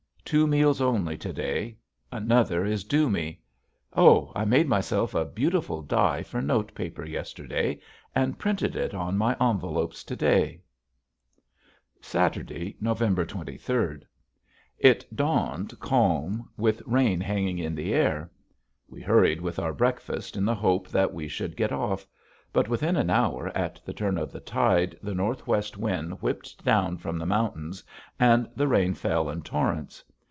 Two meals only to day, another is due me. Oh! I made myself a beautiful die for note paper yesterday and printed it on my envelopes to day. [Illustration: THE CABIN WINDOW] Saturday, November twenty third. It dawned calm with rain hanging in the air. We hurried with our breakfast in the hope that we should get off; but within an hour at the turn of the tide the northwest wind whipped down from the mountains and the rain fell in torrents.